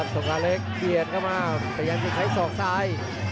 สงคราเล็กเปลี่ยนเข้ามาประยับจะใช้สอกซ้าย